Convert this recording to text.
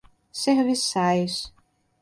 serviçais